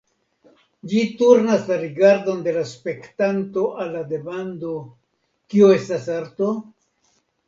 Ĝi turnas la rigardon de la spektanto al la demando "Kio estas arto?